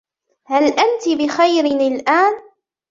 هل أنتِ بخير الآن ؟